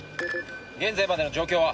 現在までの状況は？